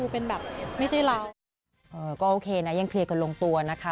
ก็โอเคนะยังเครียดก็ลงตัวนะคะ